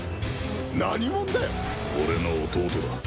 何者だよ。俺の弟だ。